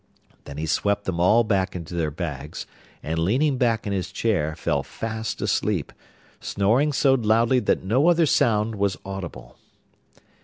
Then he swept them all back into their bags, and leaning back in his chair fell fast asleep, snoring so loud that no other sound was audible.